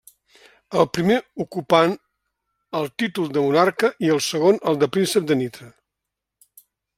El primer ocupant el títol de monarca i el segon el de príncep de Nitra.